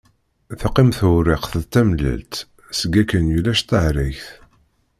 Teqqim tewriqt d tamellalt, seg akken ulac tahregt.